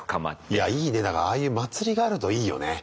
いやいいねだからああいう祭りがあるといいよね。